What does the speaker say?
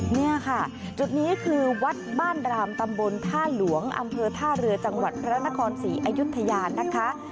นี่ค่ะจุดนี้คือวัดบ้านรามตำบลท่าหลวงอำเภอท่าเรือจังหวัดพระนครศรีอยุธยานะคะ